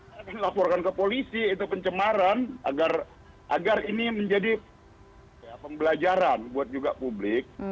saya akan laporkan ke polisi itu pencemaran agar ini menjadi pembelajaran buat juga publik